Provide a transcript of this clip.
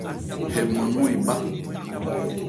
Hɛ nman nɔn e bhá.